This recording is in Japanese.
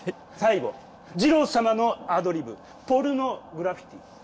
最後じろう様のアドリブ「ポルノグラフィティ」。